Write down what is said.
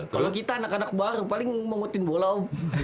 kalau kita anak anak baru paling memototin bola om